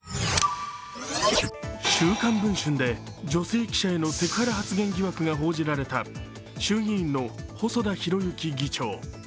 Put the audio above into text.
「週刊文春」で女性記者へのセクハラ発言疑惑が浮上した衆議院の細田博之議長。